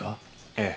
ええ。